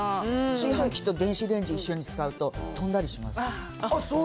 炊飯器と電子レンジ、一緒に使うと飛んだりします。